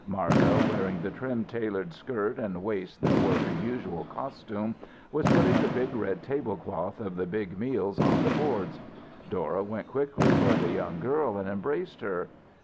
Marda, wearing the trim tailored skirt and waist that were her usual costume, was putting the big red tablecloth of the "big meals" on the boards. Dora went quickly toward the young girl and embraced her.